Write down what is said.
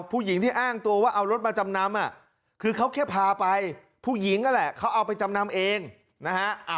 ผู้หญิงที่อ้างตัวว่าเอารถมาจำนำคือเขาแค่พาไปผู้หญิงนั่นแหละเขาเอาไปจำนำเองนะฮะ